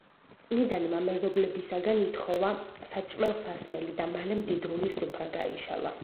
წმიდანმა მეზობლებისაგან ითხოვა საჭმელ-სასმელი და მალე მდიდრული სუფრა გაიშალა.